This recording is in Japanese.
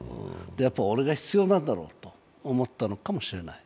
やはり俺が必要なんだろうと思ったのかもしれない。